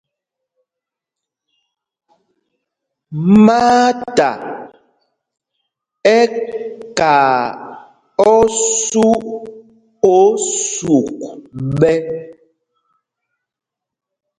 Maata ɛ́ kaa osû o sûk ɓɛ́.